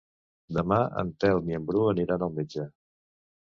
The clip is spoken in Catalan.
Demà en Telm i en Bru aniran al metge.